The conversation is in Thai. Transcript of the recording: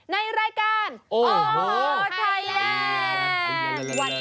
ในรายการโอ้โหไทยแลนด์